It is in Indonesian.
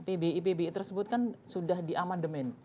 pbi pbi tersebut kan sudah di amandemen